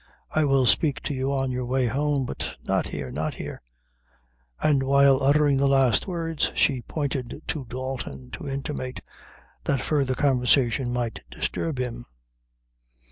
"I will speak to you on your way home, but not here not here;" and while uttering the last words she pointed to Dalton, to intimate that further conversation might disturb him.